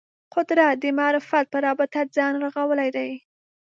قدرت د معرفت په رابطه ځان رغولی دی